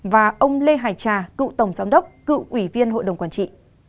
và ông lê hải trà cựu tổng giám đốc cựu ủy viên hội đồng quản trị